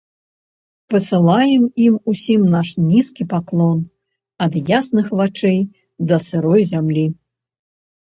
Пасылаем ім усім наш нізкі паклон, ад ясных вачэй да сырой зямлі.